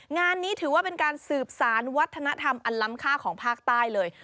งานนี้ถือว่าเป็นการสืบสารวัฒนธรรมอันล้ำค่าของภาคใต้เลย